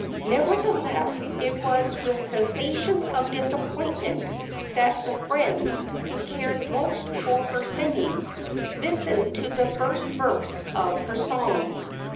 Nevertheless, it was with sensations of disappointment that the friends, who cared most for her singing, listened to the first verse of her song.